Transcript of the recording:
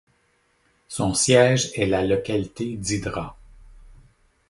Son siège est la localité d'Hydra.